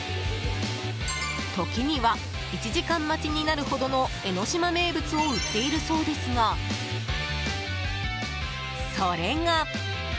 時には１時間待ちになるほどの江の島名物を売っているそうですが、それが。